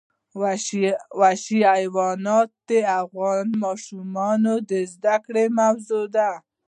وحشي حیوانات د افغان ماشومانو د زده کړې موضوع ده.